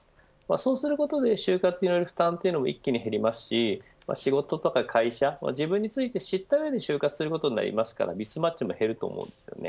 そうすることで就活による負担も一気に減りますし仕事とか会社自分について知った上で就活することになるのでミスマッチも減ると思います。